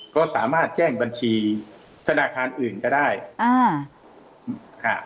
ก็สามารถแจ้งบัญชีธนาคารอื่นก็ได้อ่าค่ะ